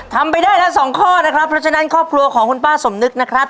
ทำไปได้แล้วสองข้อนะครับเพราะฉะนั้นครอบครัวของคุณป้าสมนึกนะครับ